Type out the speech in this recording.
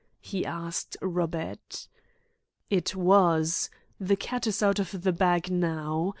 he asked Robert. "It was. The cat is out of the bag now.